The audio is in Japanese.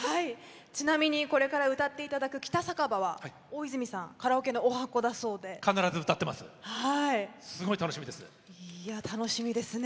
ちなみに、これから歌っていただく「北酒場」は大泉さんのカラオケのおはこだそうですね。